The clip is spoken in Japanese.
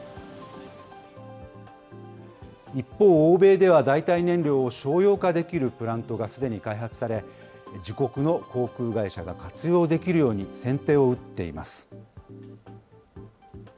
一方、欧米では代替燃料を商用化できるプラントがすでに開発され、自国の航空会社が活用できるように先手を打っています。